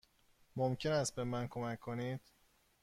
ممکن است به من کمک کنید؟